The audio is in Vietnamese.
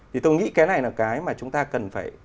thì tôi nghĩ cái này là cái mà chúng ta cần phải